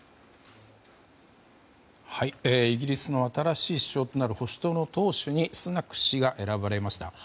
イギリスの新しい首相となる保守党の党首にスナク氏が選ばれました。